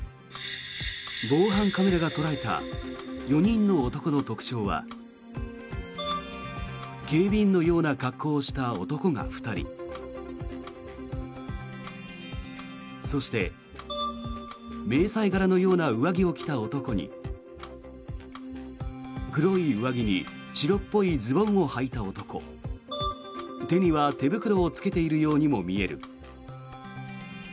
防犯カメラが捉えた４人の男の特徴は警備員のような格好をした男が２人そして、迷彩柄のような上着を着た男に黒い上着に白っぽいズボンをはいた男手には手袋を着けているようにも見える。